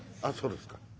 「あっそうですか」。